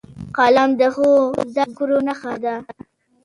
قلم د ښو زدهکړو نښه ده